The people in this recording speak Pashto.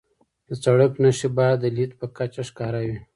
د سړک نښې باید د لید په کچه ښکاره وي.